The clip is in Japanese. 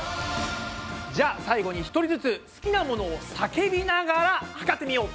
じゃあ最後に１人ずつ好きなものを叫びながら測ってみよう！